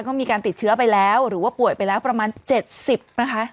ก็มีการติดเชื้อไปแล้วหรือว่าป่วยไปแล้วประมาณ๗๐นะคะ